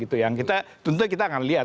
tentunya kita akan lihat